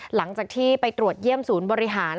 หลังจากที่ไปตรวจเยี่ยมศูนย์บริหาร